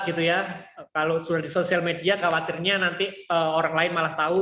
kalau sudah di sosial media khawatirnya nanti orang lain malah tahu